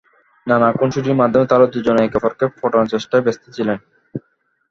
নানা খুনসুটির মাধ্যমে তাঁরা দুজনই একে অপরকে পটানোর চেষ্টায় ব্যস্ত ছিলেন।